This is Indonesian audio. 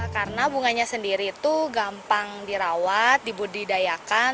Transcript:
karena bunganya sendiri itu gampang dirawat dibudidayakan